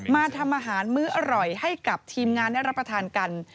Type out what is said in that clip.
มาทำอาหารมื้ออร่อยให้กับทีมงานได้รับประทานกัน